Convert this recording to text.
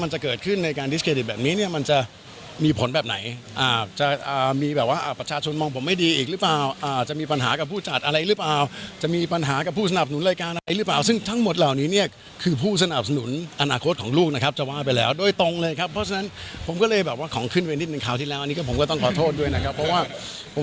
จะมีแบบว่าประชาชนมองผมไม่ดีอีกหรือเปล่าอ่าจะมีปัญหากับผู้จัดอะไรหรือเปล่าจะมีปัญหากับผู้สนับหนุนรายการอะไรหรือเปล่าซึ่งทั้งหมดเหล่านี้เนี่ยคือผู้สนับหนุนอนาคตของลูกนะครับจะว่าไปแล้วโดยตรงเลยครับเพราะฉะนั้นผมก็เลยแบบว่าของขึ้นไว้นิดหนึ่งคราวที่แล้วอันนี้ก็ผมก็ต้องขอโทษด้วยนะครับ